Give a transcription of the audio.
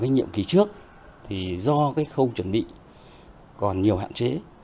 nhiệm kỳ trước do không chuẩn bị còn nhiều hạn chế